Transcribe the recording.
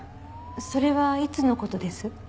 それはいつの事です？